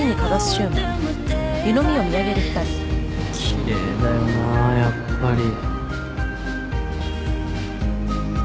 きれいだよなやっぱり。